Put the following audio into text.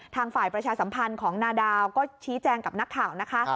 ฝ่ายประชาสัมพันธ์ของนาดาวก็ชี้แจงกับนักข่าวนะคะ